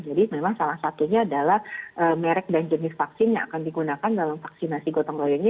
jadi memang salah satunya adalah merek dan jenis vaksin yang akan digunakan dalam vaksinasi gotong royong ini